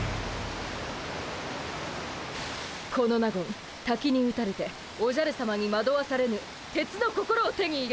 この納言たきに打たれておじゃるさまにまどわされぬ鉄の心を手に入れます。